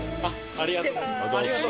ありがとうございます。